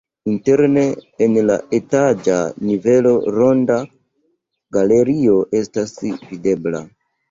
Interne en la etaĝa nivelo ronda galerio estas videbla.